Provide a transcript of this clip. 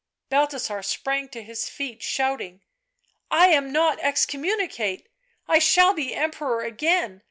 Balthasar sprang to his feet, shouting :" I am not excommunicate ! I shall be Emperor again.